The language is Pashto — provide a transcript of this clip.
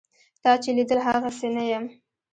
تا چې لیدم هغسې نه یم.